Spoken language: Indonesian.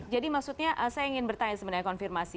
jadi maksudnya saya ingin bertanya sebenarnya konfirmasi